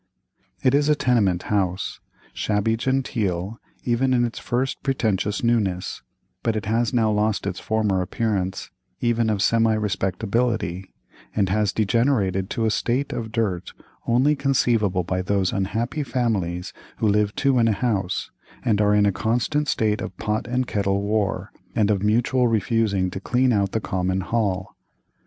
It is a tenement house, shabby genteel even in its first pretentious newness; but it has now lost its former appearance even of semi respectability, and has degenerated to a state of dirt only conceivable by those unhappy families who live two in a house, and are in a constant state of pot and kettle war, and of mutual refusing to clean out the common hall.